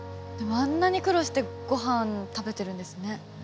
でもあんなに苦労してごはん食べてるんですね。